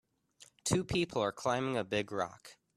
Two people are climbing a big rock.